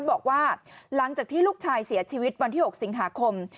บอกว่าหลังจากที่ลูกชายเสียชีวิตวันที่๖สิงหาคม